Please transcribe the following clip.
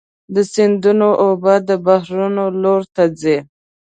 د سیندونو اوبه د بحرونو لور ته ځي.